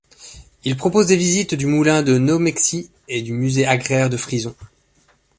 Il propose des visites du moulin de Nomexy et du musée agraire de Frizon.